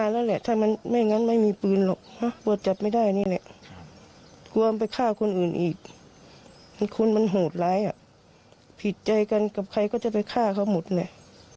ร้ายเกินกับใครก็จะได้ฆ่าเขาหมดเลย